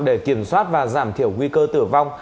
để kiểm soát và giảm thiểu nguy cơ tử vong